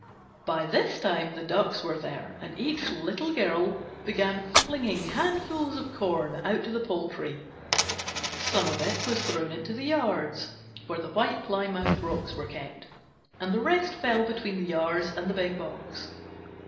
By this time the Ducks were there, and each Little Girl began flinging handfuls of corn out to the poultry. Some of it was thrown into the yards where the White Plymouth Rocks were kept, and the rest fell between the yards and the big box.